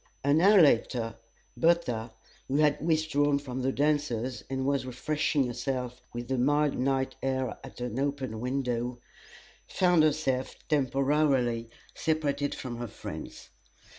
An hour later Bertha, who had withdrawn from the dancers and was refreshing herself with the mild night air at an open window, found herself temporarily separated from her friends.